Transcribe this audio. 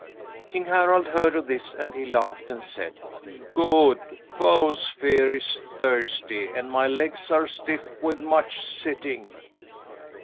King Harald heard of this and he laughed and said: "Good! 'Foes' fear' is thirsty, and my legs are stiff with much sitting."